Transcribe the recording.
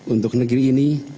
untuk negeri ini